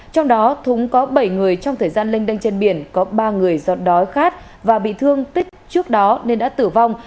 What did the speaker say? trong đó thúng có bảy người trong thời gian lên đâng trên biển có ba người giọt đói khát và bị thương tích trước đó nên đã tử vong